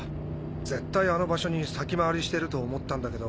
絶対あの場所に先回りしてると思ったんだけど。